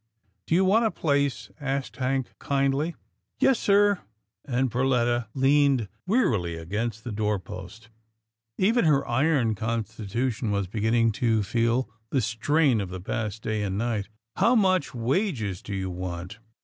" Do you want a place? " asked Hank kindly. " Yes, sir," and Perletta leaned wearily against the door post. Even her iron constitution was be ginning to feel the strain of the past day and night. " How much wages do you want?